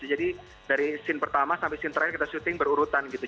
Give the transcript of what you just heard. jadi dari scene pertama sampai scene terakhir kita shooting berurutan gitu